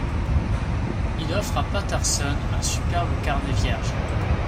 Il offre à Paterson un superbe carnet vierge.